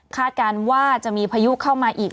คาดการณ์ว่าจะมีพยุคเข้ามาอีก